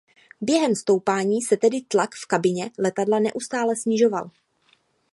Během stoupání se tedy tlak v kabině letadla neustále snižoval.